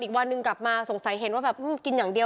วันหนึ่งกลับมาสงสัยเห็นว่าแบบกินอย่างเดียว